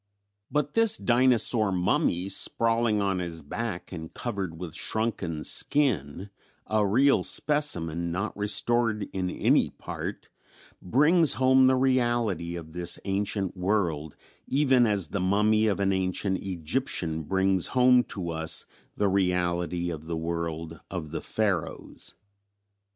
But this "dinosaur mummy" sprawling on his back and covered with shrunken skin a real specimen, not restored in any part brings home the reality of this ancient world even as the mummy of an ancient Egyptian brings home to us the reality of the world of the Pharaohs.